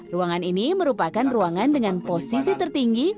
ruangan ini merupakan ruangan dengan posisi tertinggi